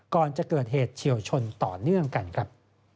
ก่อนจะเกิดเหตุเฉียวชนต่อเนื่องกันครับ